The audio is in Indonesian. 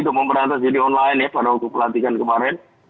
untuk memberantas judi online ya pada waktu pelatihan kemarin